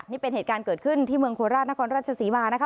นี่เป็นเหตุการณ์เกิดขึ้นที่เมืองโคราชนครราชศรีมานะคะ